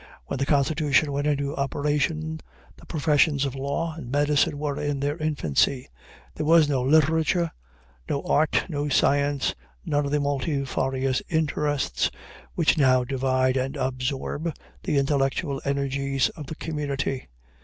When the Constitution went into operation the professions of law and medicine were in their infancy. There was no literature, no art, no science, none of the multifarious interests which now divide and absorb the intellectual energies of the community.